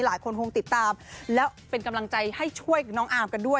หลายคนคงติดตามแล้วเป็นกำลังใจให้ช่วยน้องอาร์มกันด้วย